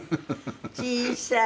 小さい。